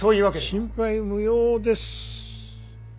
心配無用です。